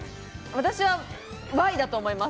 私はＹだと思います。